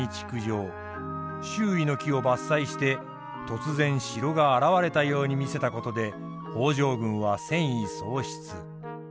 周囲の木を伐採して突然城が現れたように見せたことで北条軍は戦意喪失。